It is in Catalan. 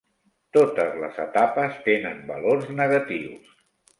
Totes les etapes tenen valors negatius.